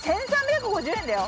１，３５０円だよ。